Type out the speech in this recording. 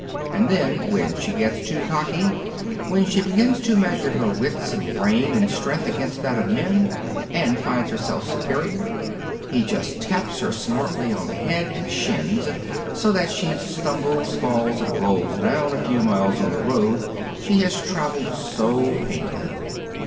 And then, when she gets too cocky, when she begins to measure her wits and brain and strength against that of men, and finds herself superior, he just taps her smartly on the head and shins, so that she stumbles, falls, and rolls down a few miles on the road she has traveled so painfully.